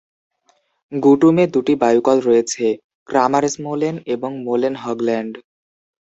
গুটুমে দুটি বায়ুকল রয়েছে, "ক্রামারস্মোলেন" এবং "মোলেন হগল্যান্ড"।